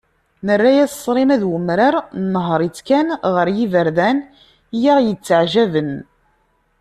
Nerra-as ṣrima d umrar, nnehher-itt kan ɣer yiberdan i aɣ-yetteɛjaben.